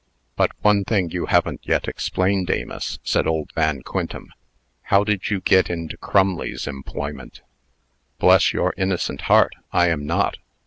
"But one thing you haven't yet explained, Amos," said old Van Quintem. "How did you get into Crumley's employment?" "Bless your innocent heart, I am not!